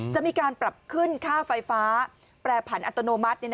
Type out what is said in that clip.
จะมีการปรับขึ้นค่าไฟฟ้าแปรผันอัตโนมัติ